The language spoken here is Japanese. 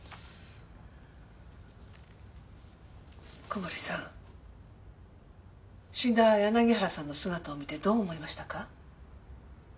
小堀さん死んだ柳原さんの姿を見てどう思いましたか？